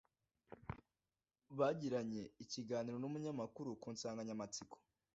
bagiranye ikiganiro n’umunyamakuru ku nsanganyamatsiko